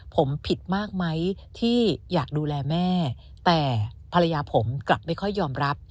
ผมผิดมากไหมที่อยากดูแลแม่แต่ภรรยาผมกลับไม่ค่อยยอมรับ